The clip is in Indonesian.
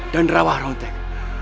dan rawah rontek